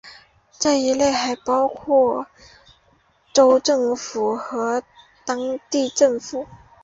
这一类还包括州政府和当地政府。